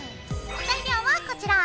材料はこちら。